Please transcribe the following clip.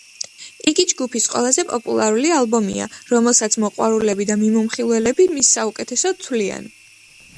იგი ჯგუფის ყველაზე პოპულარული ალბომია, რომელსაც მოყვარულები და მიმომხილველები მის საუკეთესოდ თვლიან.